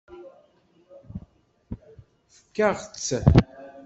Fakeɣ-ak-t.